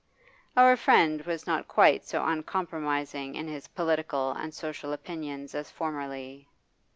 Our friend was not quite so uncompromising in his political and social opinions as formerly.